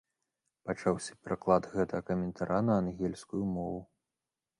Пачаўся пераклад гэтага каментара на ангельскую мову.